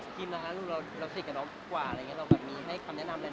ครีมนะครับเราสิ่งกับน้องกว่าอะไรอย่างนี้